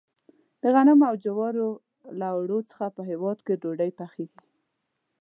د غنمو او جوارو له اوړو څخه په هیواد کې ډوډۍ پخیږي.